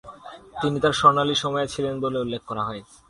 তিনি তার স্বর্ণালী সময়ে ছিলেন বলে উল্লেখ করা হয়।